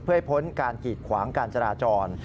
เพื่อให้พ้นการกีดขวางการจราจร